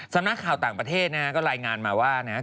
สำนักข่าวต่างประเทศนะฮะก็รายงานมาว่านะครับ